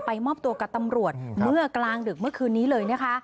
มอบตัวกับตำรวจเมื่อกลางดึกเมื่อคืนนี้เลยนะคะ